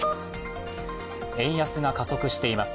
円安が加速しています。